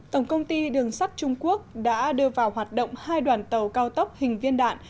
tổng công ty đường sắt trung quốc đã đưa vào hoạt động hai đoàn tàu cao tốc hình viên đạn